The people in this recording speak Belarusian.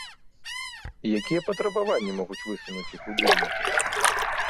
Якія патрабаванні могуць высунуць іх удзельнікі?